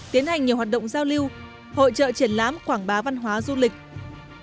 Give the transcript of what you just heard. tiến hành nhiều hoạt động giao lưu hội trợ triển lãm quảng bá văn hóa du lịch